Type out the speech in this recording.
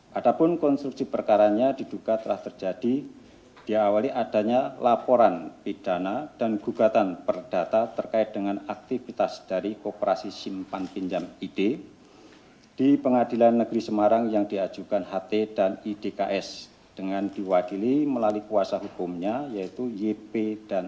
walaupun konstruksi perkaranya diduga telah terjadi diawali adanya laporan pidana dan gugatan perdata terkait dengan aktivitas dari koperasi simpan pinjam id di pengadilan negeri semarang yang diajukan ht dan idks dengan diwadili melalui kuasa hukumnya yaitu yp dan is